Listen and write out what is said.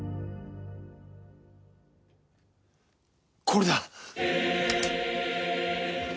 これだ！